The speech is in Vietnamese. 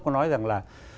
có nói rằng là